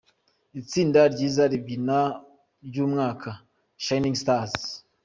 Itsinda ryiza ribyina ry'umwaka: Shining Stars.